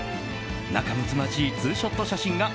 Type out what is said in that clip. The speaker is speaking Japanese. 仲むつまじいツーショット写真が